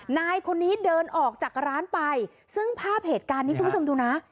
นายคนนี้เดินออกจากร้านไปซึ่งภาพเหตุการณ์นี้คุณผู้ชมดูนะ